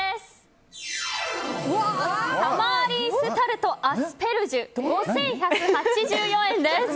サマーリースタルトアスペルジュ、５１８４円です。